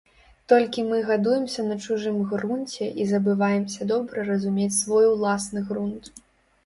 Толькі мы гадуемся на чужым грунце і забываемся добра разумець свой уласны грунт.